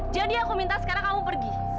jadi aku minta sekarang kamu pergi